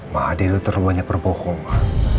ma adi lo terbanyak berbohong ma